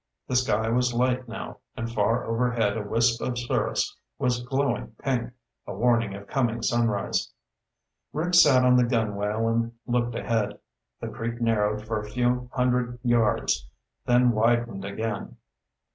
The sky was light now, and far overhead a wisp of cirrus was glowing pink, a warning of coming sunrise. Rick sat on the gunwale and looked ahead. The creek narrowed for a few hundred yards, then widened again.